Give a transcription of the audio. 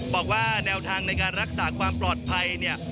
บอกว่าแนวทางในการรักษาความปลอดภัยเนี่ย